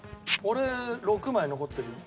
俺６枚残ってるよ。